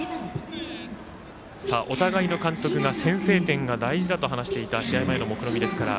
お互いの監督が先制点が大事だと話していた試合前のもくろみですから。